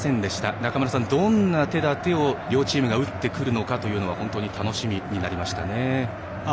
中村さん、どんな手立てを両チームが打ってくるか本当に楽しみになりましたね。